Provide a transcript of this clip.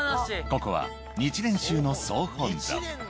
ここは日蓮宗の総本山。